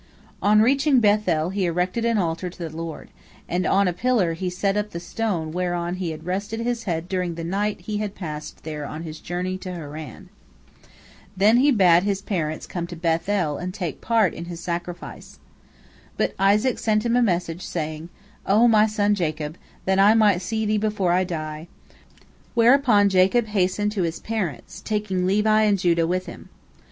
On reaching Beth el he erected an altar to the Lord, and on a pillar he set up the stone whereon he had rested his head during the night which he had passed there on his journey to Haran. Then he bade his parents come to Beth el and take part in his sacrifice. But Isaac sent him a message, saying, "O my son Jacob, that I might see thee before I die," whereupon Jacob hastened to his parents, taking Levi and Judah with him.